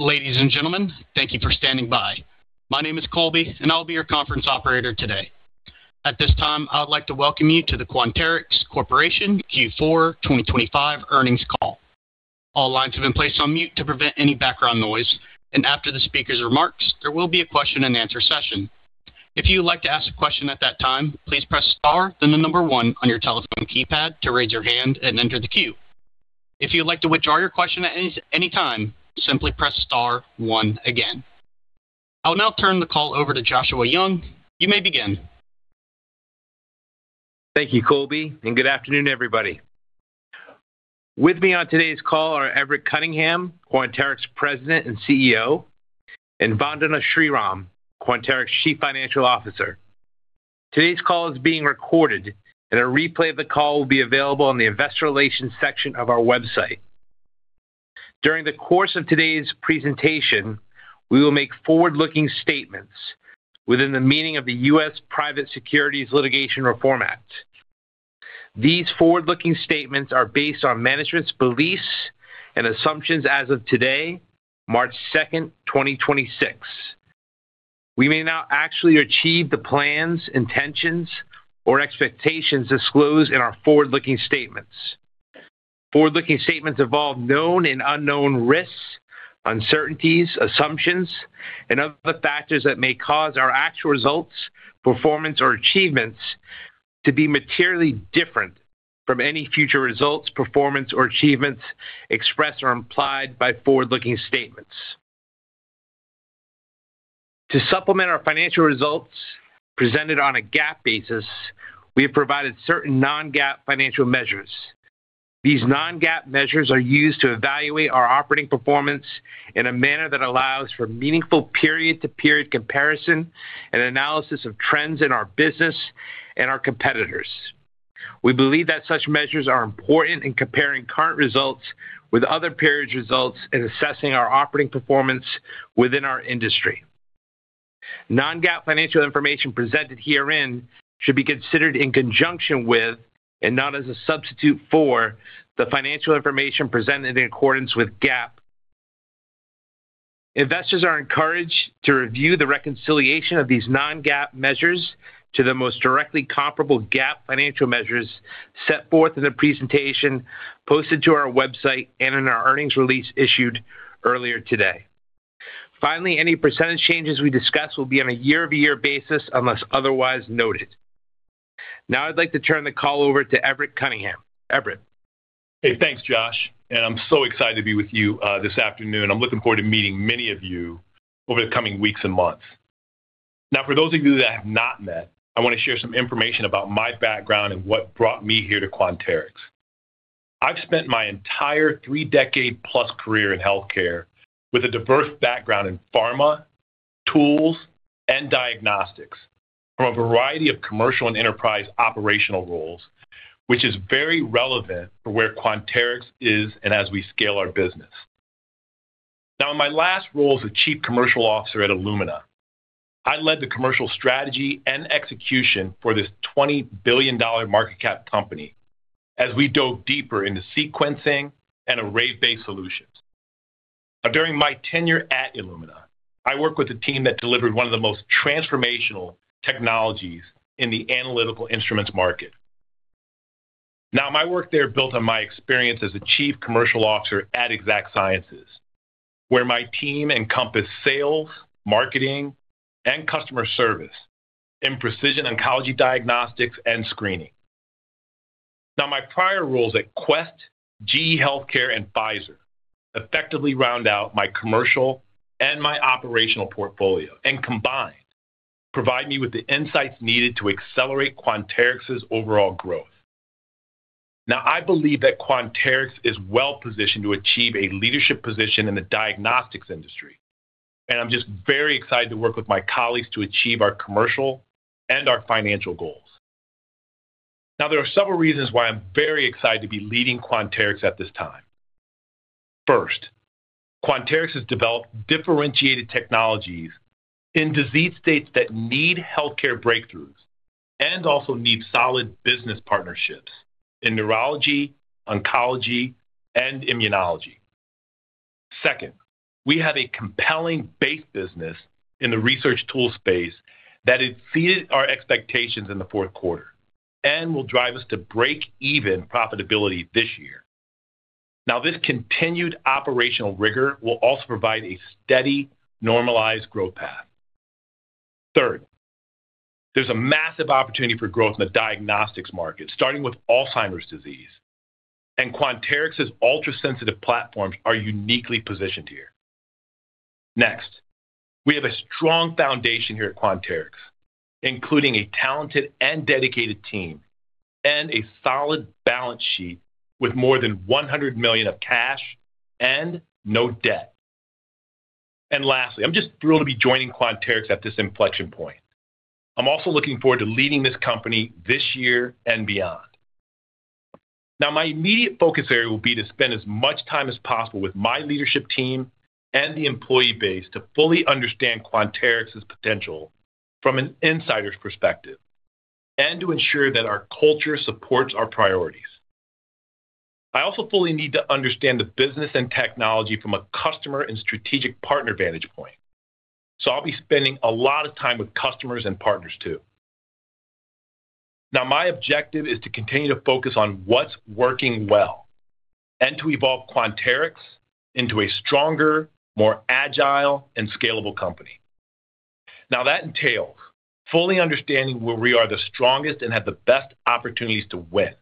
Ladies and gentlemen, thank you for standing by. My name is Colby, and I'll be your conference operator today. At this time, I would like to welcome you to the Quanterix Corporation Q4 2025 earnings call. All lines have been placed on mute to prevent any background noise. After the speaker's remarks, there will be a question-and-answer session. If you would like to ask a question at that time, please press star, then the number one on your telephone keypad to raise your hand and enter the queue. If you'd like to withdraw your question at any time, simply press star one again. I'll now turn the call over to Joshua Young. You may begin. Thank you, Colby, and good afternoon, everybody. With me on today's call are Everett Cunningham, Quanterix President and CEO, and Vandana Sriram, Quanterix Chief Financial Officer. Today's call is being recorded, and a replay of the call will be available on the investor relations section of our website. During the course of today's presentation, we will make forward-looking statements within the meaning of the U.S. Private Securities Litigation Reform Act. These forward-looking statements are based on management's beliefs and assumptions as of today, March 2, 2026. We may not actually achieve the plans, intentions, or expectations disclosed in our forward-looking statements. Forward-looking statements involve known and unknown risks, uncertainties, assumptions, and other factors that may cause our actual results, performance, or achievements to be materially different from any future results, performance, or achievements expressed or implied by forward-looking statements. To supplement our financial results presented on a GAAP basis, we have provided certain non-GAAP financial measures. These non-GAAP measures are used to evaluate our operating performance in a manner that allows for meaningful period-to-period comparison and analysis of trends in our business and our competitors. We believe that such measures are important in comparing current results with other periods' results in assessing our operating performance within our industry. Non-GAAP financial information presented herein should be considered in conjunction with, and not as a substitute for, the financial information presented in accordance with GAAP. Investors are encouraged to review the reconciliation of these non-GAAP measures to the most directly comparable GAAP financial measures set forth in the presentation posted to our website and in our earnings release issued earlier today. Any percentage changes we discuss will be on a year-over-year basis unless otherwise noted. Now I'd like to turn the call over to Everett Cunningham. Everett. Hey, thanks, Josh. I'm so excited to be with you this afternoon. I'm looking forward to meeting many of you over the coming weeks and months. For those of you that I have not met, I want to share some information about my background and what brought me here to Quanterix. I've spent my entire 30+ years career in healthcare with a diverse background in pharma, tools, and diagnostics from a variety of commercial and enterprise operational roles, which is very relevant for where Quanterix is and as we scale our business. In my last role as a Chief Commercial Officer at Illumina, I led the commercial strategy and execution for this $20 billion market cap company as we dove deeper into sequencing and array-based solutions. During my tenure at Illumina, I worked with a team that delivered one of the most transformational technologies in the analytical instruments market. My work there built on my experience as a Chief Commercial Officer at Exact Sciences, where my team encompassed sales, marketing, and customer service in precision oncology diagnostics and screening. My prior roles at Quest, GE HealthCare, and Pfizer effectively round out my commercial and my operational portfolio and combined provide me with the insights needed to accelerate Quanterix's overall growth. I believe that Quanterix is well-positioned to achieve a leadership position in the diagnostics industry, and I'm just very excited to work with my colleagues to achieve our commercial and our financial goals. There are several reasons why I'm very excited to be leading Quanterix at this time. Quanterix has developed differentiated technologies in disease states that need healthcare breakthroughs and also need solid business partnerships in neurology, oncology, and immunology. We have a compelling base business in the research tool space that exceeded our expectations in the fourth quarter and will drive us to break even profitability this year. This continued operational rigor will also provide a steady, normalized growth path. There's a massive opportunity for growth in the diagnostics market, starting with Alzheimer's disease, and Quanterix's ultrasensitive platforms are uniquely positioned here. We have a strong foundation here at Quanterix, including a talented and dedicated team and a solid balance sheet with more than $100 million of cash and no debt. Lastly, I'm just thrilled to be joining Quanterix at this inflection point. I'm also looking forward to leading this company this year and beyond. My immediate focus area will be to spend as much time as possible with my leadership team and the employee base to fully understand Quanterix's potential from an insider's perspective and to ensure that our culture supports our priorities. I also fully need to understand the business and technology from a customer and strategic partner vantage point. I'll be spending a lot of time with customers and partners too. My objective is to continue to focus on what's working well and to evolve Quanterix into a stronger, more agile, and scalable company. That entails fully understanding where we are the strongest and have the best opportunities to win,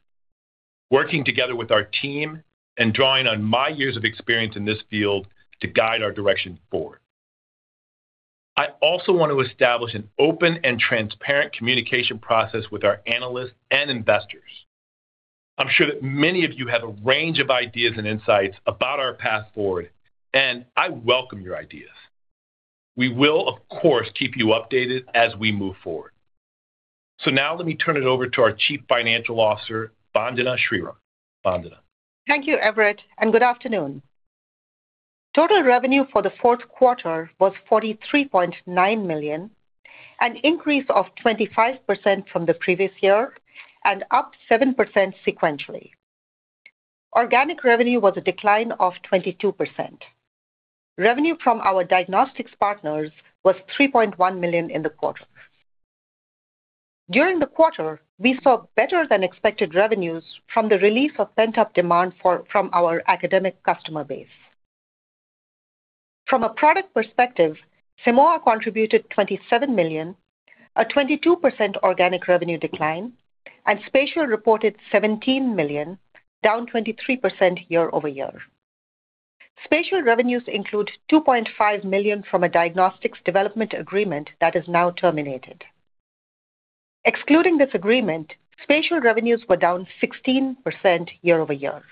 working together with our team and drawing on my years of experience in this field to guide our direction forward. I also want to establish an open and transparent communication process with our analysts and investors. I'm sure that many of you have a range of ideas and insights about our path forward, and I welcome your ideas. We will, of course, keep you updated as we move forward. Now let me turn it over to our Chief Financial Officer, Vandana Sriram. Vandana. Thank you, Everett. Good afternoon. Total revenue for the fourth quarter was $43.9 million, an increase of 25% from the previous year, up 7% sequentially. Organic revenue was a decline of 22%. Revenue from our diagnostics partners was $3.1 million in the quarter. During the quarter, we saw better than expected revenues from the release of pent-up demand from our academic customer base. From a product perspective, Simoa contributed $27 million, a 22% organic revenue decline. Spatial reported $17 million, down 23% year-over-year. Spatial revenues include $2.5 million from a diagnostics development agreement that is now terminated. Excluding this agreement, Spatial revenues were down 16% year-over-year.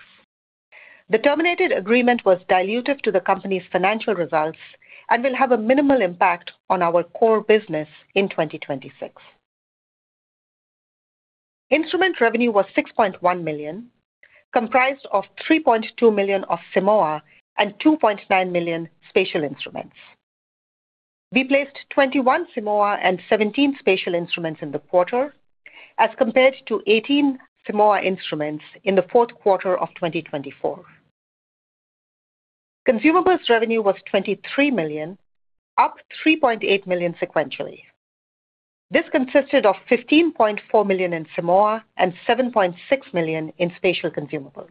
The terminated agreement was dilutive to the company's financial results, will have a minimal impact on our core business in 2026. Instrument revenue was $6.1 million, comprised of $3.2 million of Simoa and $2.9 million Spatial instruments. We placed 21 Simoa and 17 Spatial instruments in the quarter, as compared to 18 Simoa instruments in the fourth quarter of 2024. Consumables revenue was $23 million, up $3.8 million sequentially. This consisted of $15.4 million in Simoa and $7.6 million in Spatial consumables.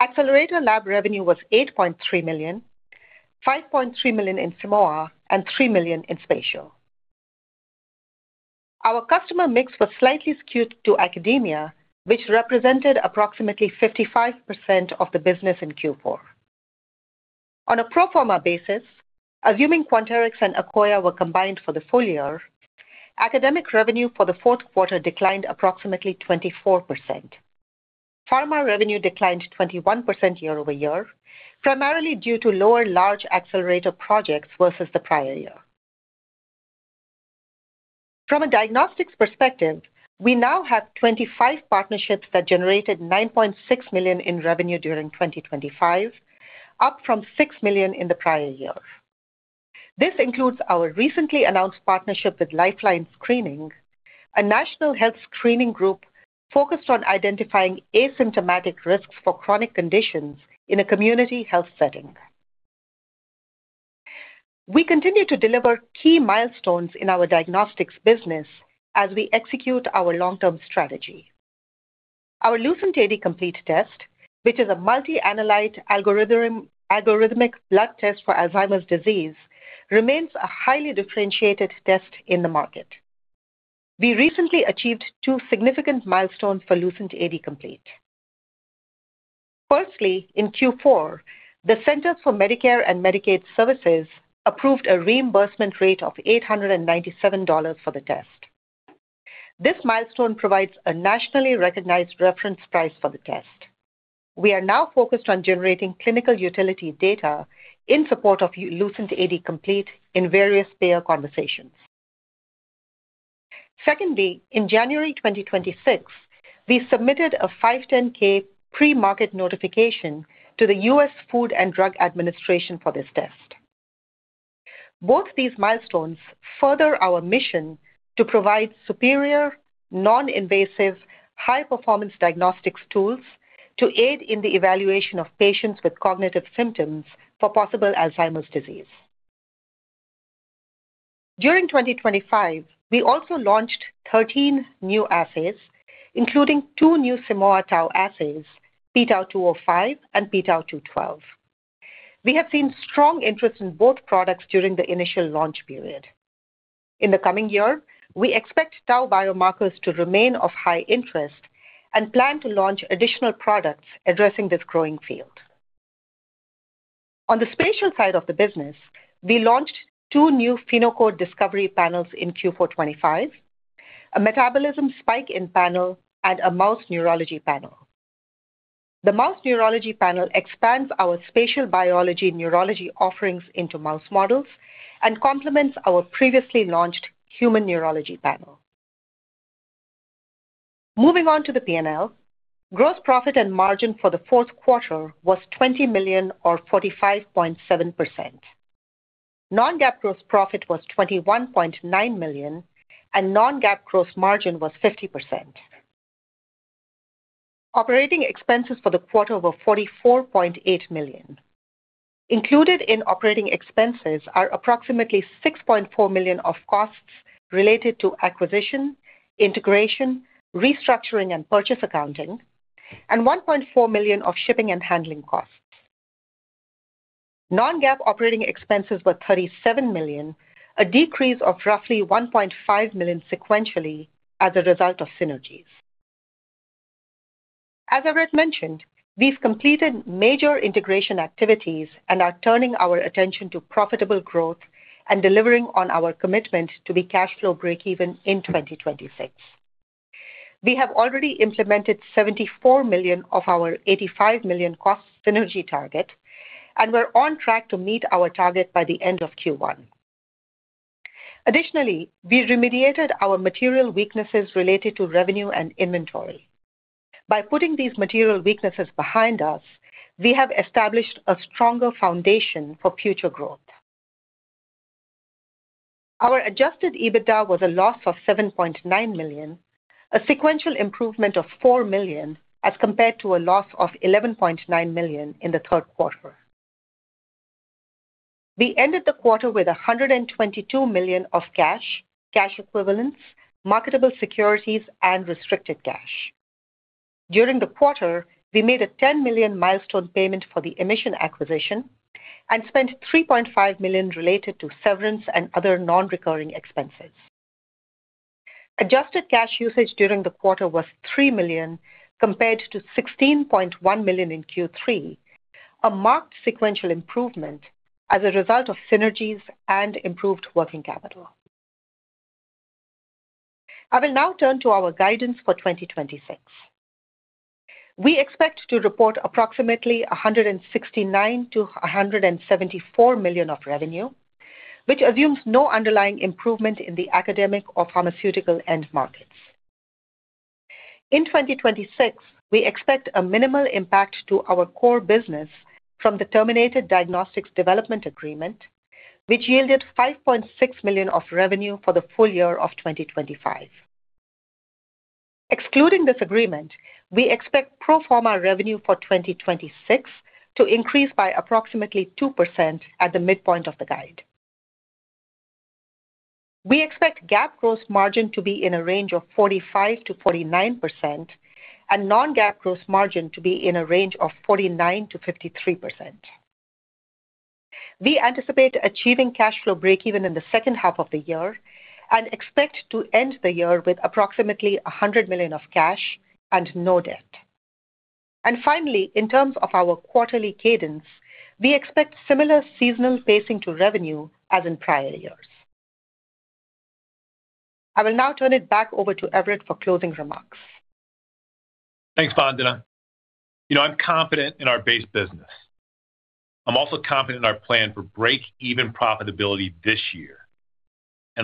Accelerator lab revenue was $8.3 million, $5.3 million in Simoa, and $3 million in Spatial. Our customer mix was slightly skewed to academia, which represented approximately 55% of the business in Q4. On a pro forma basis, assuming Quanterix and Akoya were combined for the full year, academic revenue for the fourth quarter declined approximately 24%. Pharma revenue declined 21% year-over-year, primarily due to lower large Accelerator projects versus the prior year. From a diagnostics perspective, we now have 25 partnerships that generated $9.6 million in revenue during 2025, up from $6 million in the prior year. This includes our recently announced partnership with Life Line Screening, a national health screening group focused on identifying asymptomatic risks for chronic conditions in a community health setting. We continue to deliver key milestones in our diagnostics business as we execute our long-term strategy. Our LucentAD Complete test, which is a multi-analyte algorithmic blood test for Alzheimer's disease, remains a highly differentiated test in the market. We recently achieved two significant milestones for LucentAD Complete. Firstly, in Q4, the Centers for Medicare & Medicaid Services approved a reimbursement rate of $897 for the test. This milestone provides a nationally recognized reference price for the test. We are now focused on generating clinical utility data in support of LucentAD Complete in various payer conversations. In January 2026, we submitted a 510(k) pre-market notification to the U.S. Food and Drug Administration for this test. Both these milestones further our mission to provide superior, non-invasive, high-performance diagnostics tools to aid in the evaluation of patients with cognitive symptoms for possible Alzheimer's disease. During 2025, we also launched 13 new assays, including two new Simoa tau assays, p-Tau 205 and p-Tau 212. We have seen strong interest in both products during the initial launch period. We expect tau biomarkers to remain of high interest and plan to launch additional products addressing this growing field. On the Spatial side of the business, we launched two new PhenoCode Discovery panels in Q4 2025, a metabolism spike-in panel, and a mouse neurology panel. The mouse neurology panel expands our Spatial Biology neurology offerings into mouse models and complements our previously launched human neurology panel. Moving on to the P&L. Gross profit and margin for the fourth quarter was $20 million or 45.7%. non-GAAP gross profit was $21.9 million, and non-GAAP gross margin was 50%. Operating expenses for the quarter were $44.8 million. Included in operating expenses are approximately $6.4 million of costs related to acquisition, integration, restructuring and purchase accounting and $1.4 million of shipping and handling costs. Non-GAAP operating expenses were $30 million, a decrease of roughly $1.5 million sequentially as a result of synergies. As Everett mentioned, we've completed major integration activities and are turning our attention to profitable growth and delivering on our commitment to be cash flow breakeven in 2026. We have already implemented $74 million of our $85 million cost synergy target, and we're on track to meet our target by the end of Q1. Additionally, we remediated our material weaknesses related to revenue and inventory. By putting these material weaknesses behind us, we have established a stronger foundation for future growth. Our Adjusted EBITDA was a loss of $7.9 million, a sequential improvement of $4 million as compared to a loss of $11.9 million in the third quarter. We ended the quarter with $122 million of cash equivalents, marketable securities, and restricted cash. During the quarter, we made a $10 million milestone payment for the EMISSION acquisition and spent $3.5 million related to severance and other non-recurring expenses. Adjusted cash usage during the quarter was $3 million compared to $16.1 million in Q3, a marked sequential improvement as a result of synergies and improved working capital. I will now turn to our guidance for 2026. We expect to report approximately $169 million-$174 million of revenue, which assumes no underlying improvement in the academic or pharmaceutical end markets. In 2026, we expect a minimal impact to our core business from the terminated diagnostics development agreement, which yielded $5.6 million of revenue for the full year of 2025. Excluding this agreement, we expect pro forma revenue for 2026 to increase by approximately 2% at the midpoint of the guide. We expect GAAP gross margin to be in a range of 45%-49% and non-GAAP gross margin to be in a range of 49%-53%. We anticipate achieving cash flow breakeven in the second half of the year and expect to end the year with approximately $100 million of cash and no debt. Finally, in terms of our quarterly cadence, we expect similar seasonal pacing to revenue as in prior years. I will now turn it back over to Everett for closing remarks. Thanks, Vandana. You know, I'm confident in our base business. I'm also confident in our plan for break-even profitability this year.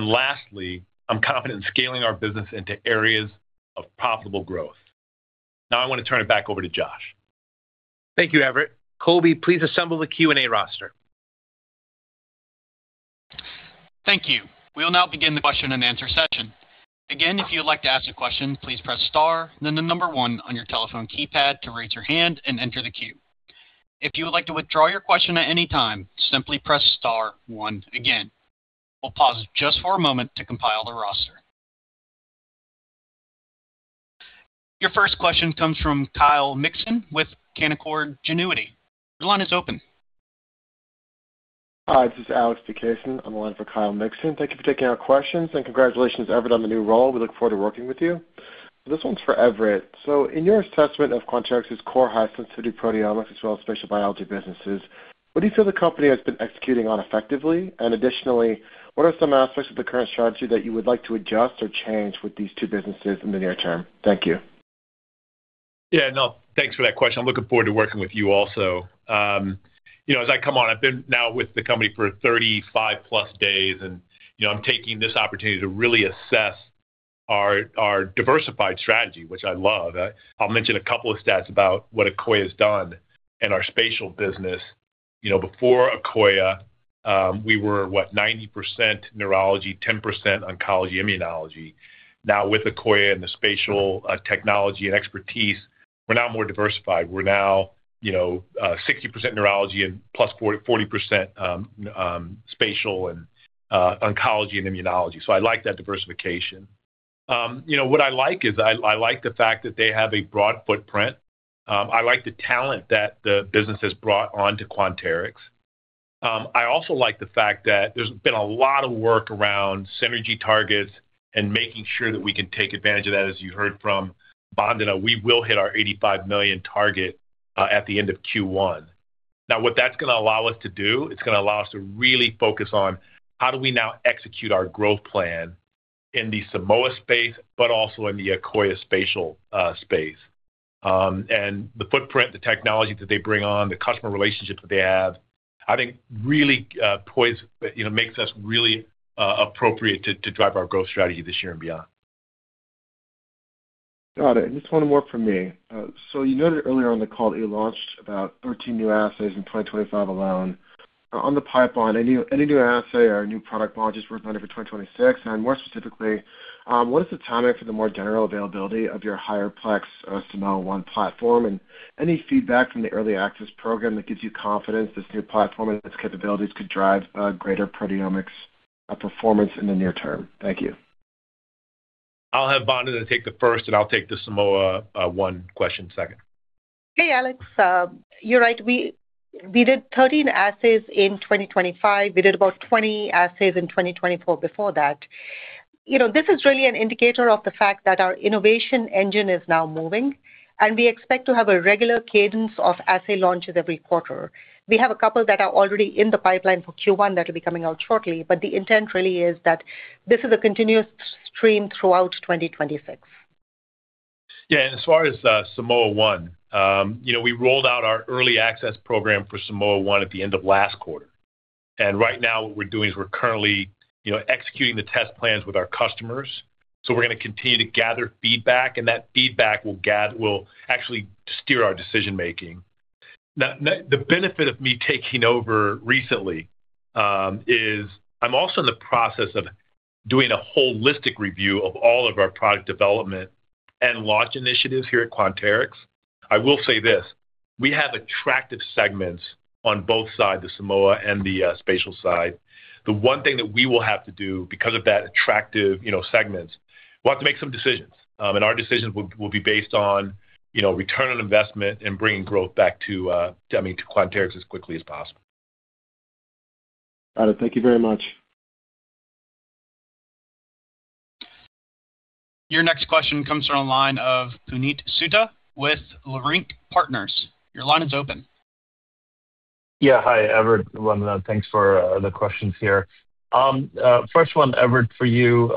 Lastly, I'm confident in scaling our business into areas of profitable growth. Now I want to turn it back over to Josh. Thank you, Everett. Colby, please assemble the Q&A roster. Thank you. We will now begin the question and answer session. Again, if you would like to ask a question, please press star then the one on your telephone keypad to raise your hand and enter the queue. If you would like to withdraw your question at any time, simply press star one again. We'll pause just for a moment to compile the roster. Your first question comes from Kyle Mikson with Canaccord Genuity. Your line is open. Hi, this is Alex Vukasin. I'm on the line for Kyle Mikson. Thank you for taking our questions. Congratulations, Everett, on the new role. We look forward to working with you. This one's for Everett. In your assessment of Quanterix's core high sensitivity proteomics as well as Spatial Biology businesses, what do you feel the company has been executing on effectively? Additionally, what are some aspects of the current strategy that you would like to adjust or change with these two businesses in the near term? Thank you. Yeah, no, thanks for that question. I'm looking forward to working with you also. You know, as I come on, I've been now with the company for 35+ days and, you know, I'm taking this opportunity to really assess our diversified strategy, which I love. I'll mention a couple of stats about what Akoya has done in our Spatial business. You know, before Akoya, we were, what, 90% neurology, 10% oncology immunology. With Akoya and the spatial technology and expertise, we're now more diversified. We're now, you know, 60% neurology and +40% spatial and oncology and immunology. I like that diversification. You know, what I like is I like the fact that they have a broad footprint. I like the talent that the business has brought on to Quanterix. I also like the fact that there's been a lot of work around synergy targets and making sure that we can take advantage of that. As you heard from Vandana, we will hit our $85 million target at the end of Q1. What that's gonna allow us to do, it's gonna allow us to really focus on how do we now execute our growth plan in the Simoa space, but also in the Akoya Spatial space. The footprint, the technology that they bring on, the customer relationships that they have, I think really, you know, makes us really appropriate to drive our growth strategy this year and beyond. Got it. Just one more from me. You noted earlier on the call that you launched about 13 new assays in 2025 alone. On the pipeline, any new assay or new product launches we're planning for 2026? More specifically, what is the timing for the more general availability of your higher plex Simoa ONE platform? Any feedback from the early access program that gives you confidence this new platform and its capabilities could drive greater proteomics performance in the near term? Thank you. I'll have Vandana take the first, and I'll take the Simoa, One question second. Alex, you're right. We did 13 assays in 2025. We did about 20 assays in 2024 before that. You know, this is really an indicator of the fact that our innovation engine is now moving, and we expect to have a regular cadence of assay launches every quarter. We have a couple that are already in the pipeline for Q1 that'll be coming out shortly, but the intent really is that this is a continuous stream throughout 2026. Yeah, as far as Simoa ONE, you know, we rolled out our early access program for Simoa ONE at the end of last quarter. Right now what we're doing is we're currently, you know, executing the test plans with our customers. We're gonna continue to gather feedback, and that feedback will actually steer our decision-making. Now the benefit of me taking over recently, is I'm also in the process of doing a holistic review of all of our product development and launch initiatives here at Quanterix. I will say this, we have attractive segments on both sides, the Simoa and the spatial side. The one thing that we will have to do because of that attractive, you know, segments, we'll have to make some decisions. Our decisions will be based on, you know, ROI and bringing growth back to, I mean, to Quanterix as quickly as possible. Got it. Thank you very much. Your next question comes from the line of Puneet Souda with Leerink Partners. Your line is open. Yeah, hi, Everett. One, thanks for the questions here. First one, Everett, for you.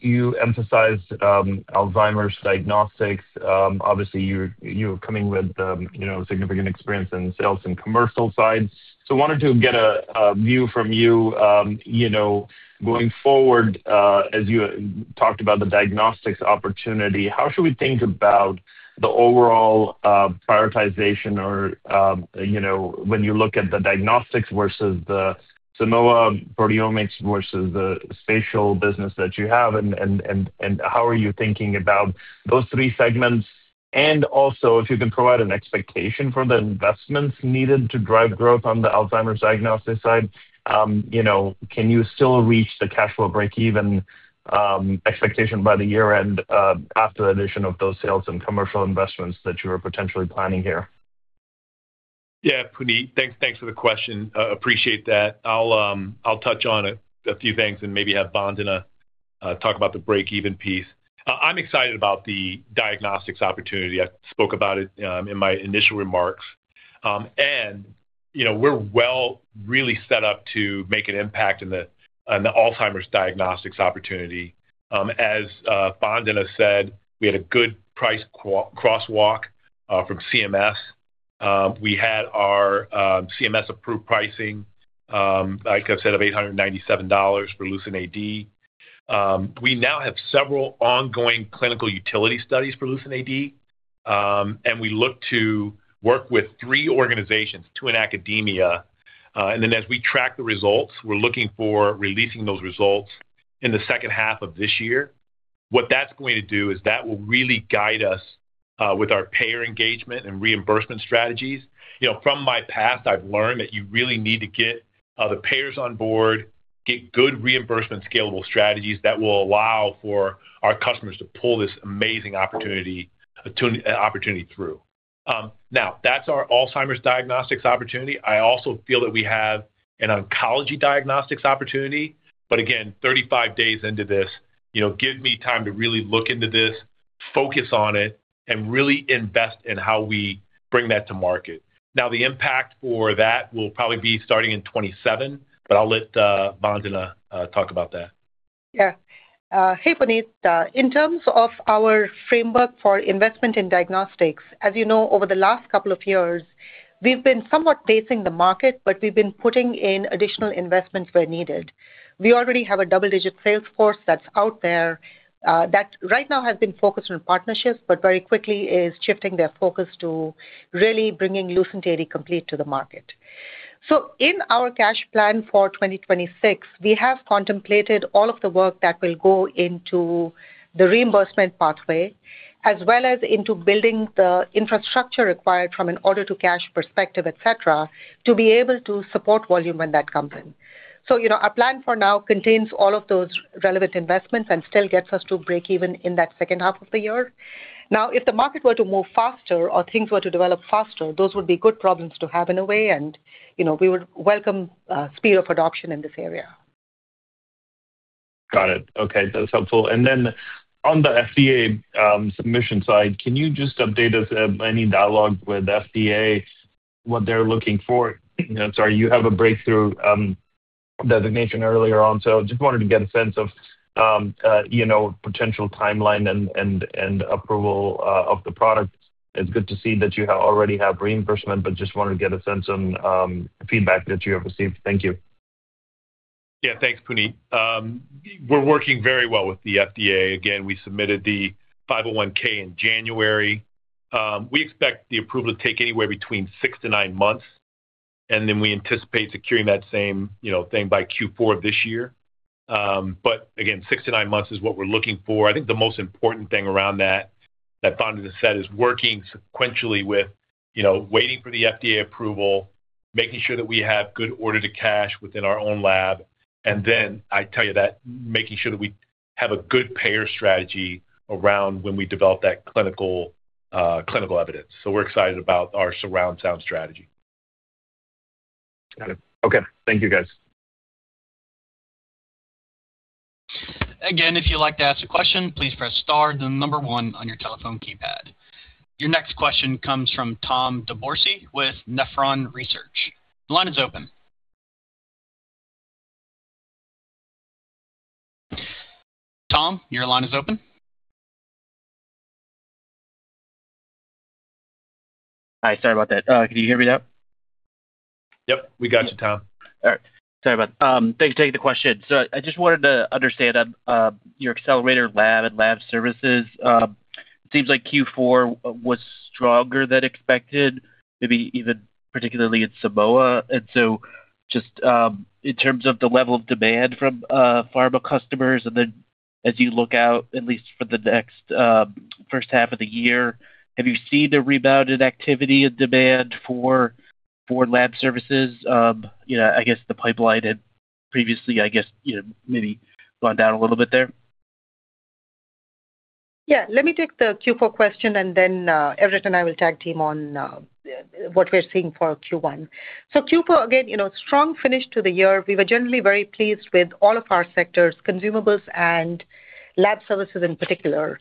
You emphasized Alzheimer's diagnostics. Obviously, you're coming with, you know, significant experience in sales and commercial sides. Wanted to get a view from you know, going forward, as you talked about the diagnostics opportunity, how should we think about the overall prioritization or, you know, when you look at the diagnostics versus the Simoa proteomics versus the Spatial business that you have and how are you thinking about those three segments? Also, if you can provide an expectation for the investments needed to drive growth on the Alzheimer's diagnosis side? you know, can you still reach the cash flow break even expectation by the year-end after the addition of those sales and commercial investments that you are potentially planning here? Yeah. Puneet, thanks. Thanks for the question. Appreciate that. I'll touch on a few things and maybe have Vandana talk about the break even piece. I'm excited about the diagnostics opportunity. I spoke about it in my initial remarks. You know, we're well really set up to make an impact in the Alzheimer's diagnostics opportunity. As Vandana said, we had a good price crosswalk from CMS. We had our CMS approved pricing, like I said, of $897 for LucentAD. We now have several ongoing clinical utility studies for LucentAD, and we look to work with three organizations, two in academia. Then as we track the results, we're looking for releasing those results in the second half of this year. What that's going to do is that will really guide us with our payer engagement and reimbursement strategies. You know, from my past I've learned that you really need to get the payers on board, get good reimbursement scalable strategies that will allow for our customers to pull this amazing opportunity through. That's our Alzheimer's diagnostics opportunity. I also feel that we have an oncology diagnostics opportunity. Again, 35 days into this, you know, give me time to really look into this, focus on it, and really invest in how we bring that to market. The impact for that will probably be starting in 2027, but I'll let Vandana talk about that. Yeah. Hey, Puneet. In terms of our framework for investment in diagnostics, as you know, over the last couple of years we've been somewhat pacing the market, but we've been putting in additional investments where needed. We already have a double-digit sales force that's out there, that right now has been focused on partnerships, but very quickly is shifting their focus to really bringing LucentAD Complete to the market. In our cash plan for 2026, we have contemplated all of the work that will go into the reimbursement pathway as well as into building the infrastructure required from an order to cash perspective, et cetera, to be able to support volume when that comes in. You know, our plan for now contains all of those relevant investments and still gets us to break even in that second half of the year. If the market were to move faster or things were to develop faster, those would be good problems to have in a way. You know, we would welcome speed of adoption in this area. Got it. Okay, that's helpful. On the FDA submission side, can you just update us any dialogue with FDA, what they're looking for? Sorry, you have a Breakthrough designation earlier on, so just wanted to get a sense of, you know, potential timeline and, and approval of the product. It's good to see that you have already have reimbursement, but just wanted to get a sense on feedback that you have received. Thank you. Yeah. Thanks, Puneet. We're working very well with the FDA. We submitted the 510(k) in January. We expect the approval to take anywhere between six to nine months, and then we anticipate securing that same, you know, thing by Q4 this year. Six to nine months is what we're looking for. I think the most important thing around that Vandana just said, is working sequentially with, you know, waiting for the FDA approval, making sure that we have good order to cash within our own lab. I tell you that making sure that we have a good payer strategy around when we develop that clinical clinical evidence. We're excited about our surround sound strategy. Got it. Okay. Thank you, guys. Again, if you'd like to ask a question, please press star then number one on your telephone keypad. Your next question comes from Tom DeBourcy with Nephron Research. The line is open. Tom, your line is open. Hi, sorry about that. Can you hear me now? Yep, we got you, Tom. All right. Sorry about that. Thanks for taking the question. I just wanted to understand your Accelerator Laboratory and lab services. It seems like Q4 was stronger than expected, maybe even particularly in Simoa. Just in terms of the level of demand from pharma customers and then as you look out at least for the next first half of the year, have you seen a rebounded activity in demand for lab services? you know, I guess the pipeline had previously, I guess, you know, maybe gone down a little bit there. Yeah. Let me take the Q4 question and then Everett and I will tag team on what we're seeing for Q1. Q4, again, you know, strong finish to the year. We were generally very pleased with all of our sectors, consumables and lab services in particular.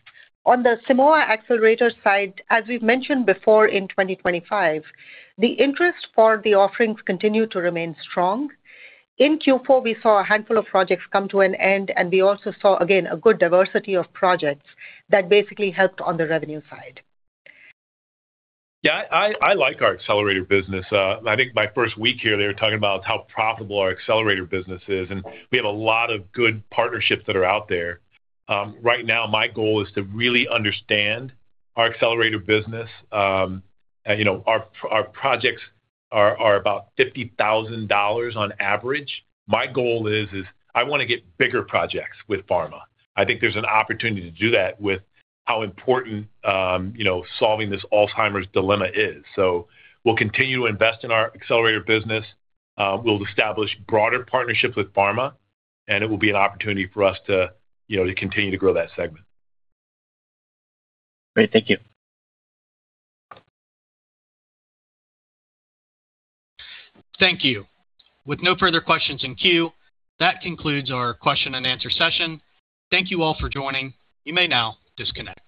On the Simoa Accelerator side, as we've mentioned before in 2025, the interest for the offerings continue to remain strong. In Q4, we saw a handful of projects come to an end, we also saw, again, a good diversity of projects that basically helped on the revenue side. I like our Accelerator business. I think my first week here they were talking about how profitable our Accelerator business is, and we have a lot of good partnerships that are out there. Right now my goal is to really understand our Accelerator business. You know, our projects are about $50,000 on average. My goal is I wanna get bigger projects with pharma. I think there's an opportunity to do that with how important, you know, solving this Alzheimer's dilemma is. We'll continue to invest in our Accelerator business. We'll establish broader partnerships with pharma, it will be an opportunity for us to, you know, to continue to grow that segment. Great. Thank you. Thank you. With no further questions in queue, that concludes our question and answer session. Thank you all for joining. You may now disconnect.